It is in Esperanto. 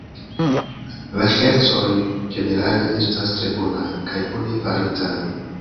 La ŝercoj ĝenerale estas tre bonaj, kaj bone faritaj.